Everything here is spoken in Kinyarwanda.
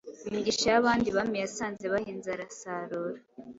Imigisha y’abandi Bami Yasanze bahinze arasarura.